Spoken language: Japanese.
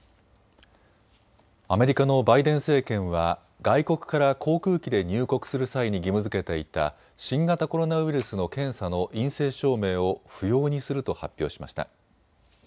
アメリカのバイデン政権は外国から航空機で入国する際に義務づけていた新型コロナウイルスの検査の陰性証明を不要にすると発表しました。